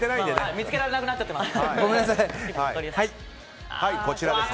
見つけられなくなっちゃってます。